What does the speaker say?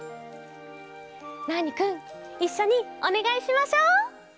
ナーニくんいっしょにおねがいしましょう。